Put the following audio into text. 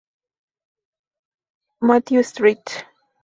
Mathew St.